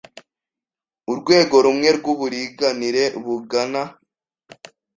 Urwego rumwe rw'uburinganire bungana